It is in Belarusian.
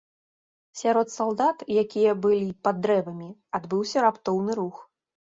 Сярод салдат, якія былі пад дрэвамі, адбыўся раптоўны рух.